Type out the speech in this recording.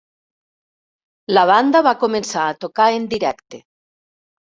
La banda va començar a tocar en directe.